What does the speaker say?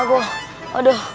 aku mau pergi ke rumah